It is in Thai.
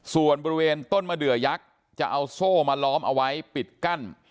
ส่วนบริเวณต้นมะเดือยักษ์จะเอาโซ่มาล้อมเอาไว้ปิดกั้น